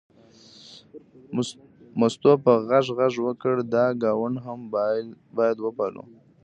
مستو په غږ غږ وکړ دا ګاونډ هم باید وپالو.